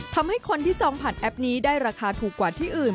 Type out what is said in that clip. ทำให้คนที่จองผ่านแอปนี้ได้ราคาถูกกว่าที่อื่น